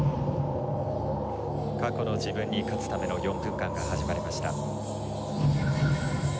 過去の自分に勝つための４分間が始まりました。